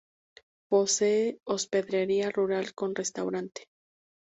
Posee Hospedería rural con restaurante.